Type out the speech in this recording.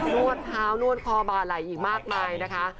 วดเท้านวดคอบาไหลอีกมากมายนะคะ